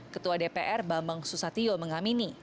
ketua dpr bambang susatyo mengamini